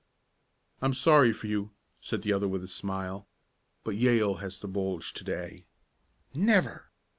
"I'm sorry for you," said the other with a smile. "But Yale has the bulge to day." "Never!"